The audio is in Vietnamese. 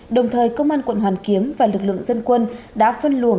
đồng thời công an quận hoàn kiếm và lực lượng dân quân đã phân luồng